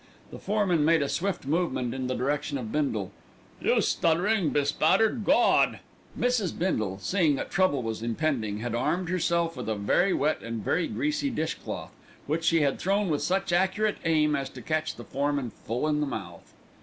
The foreman made a swift movement in the direction of Bindle. "You stutterin', bespattered Gawd!" Mrs. Bindle, seeing that trouble was impending, had armed herself with a very wet and very greasy dishcloth, which she had thrown with such accurate aim as to catch the foreman full in the mouth.